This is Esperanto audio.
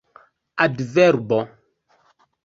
adverbo